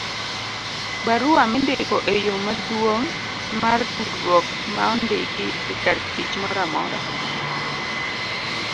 barua mindiko e yo maduong' mar tudruok ma ondiki e kartich moramora